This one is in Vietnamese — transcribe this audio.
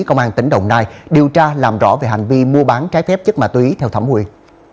công an tỉnh đồng nai điều tra làm rõ về hành vi mua bán trái phép chất ma túy theo thẩm quyền